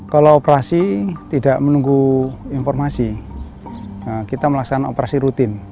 kalau operasi tidak menunggu informasi kita melaksanakan operasi rutin